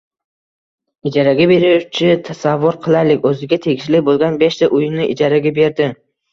Ijaraga beruvchi, tasavvur qilaylik, o’ziga tegishli bo’lgan beshta uyini ijaraga berdi